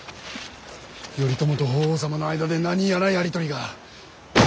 頼朝と法皇様の間で何やらやり取りが。